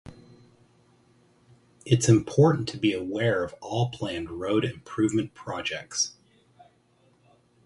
It's important to be aware of all planned road improvement projects.